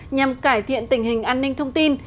nhằm cải thiện tình hình an ninh thông tin